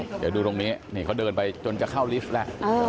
เดี๋ยวดูตรงนี้นี่เขาเดินไปจนจะเข้าลิฟต์แล้ว